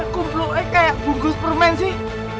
kumpulnya kayak bungkus permen sih